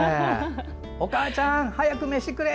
お母ちゃん！早く飯くれ！